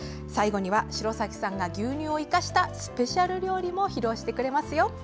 最後には城咲さんが牛乳を生かしたスペシャル料理も披露してくださいますよ。